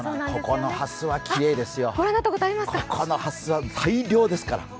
ここのハスはきれいですよ、ここのハスは大量ですから。